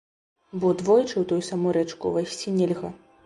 Бо двойчы ў тую самую рэчку ўвайсці нельга.